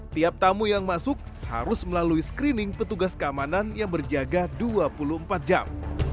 tiap tamu yang masuk harus melalui screening petugas keamanan yang berjaga dua puluh empat jam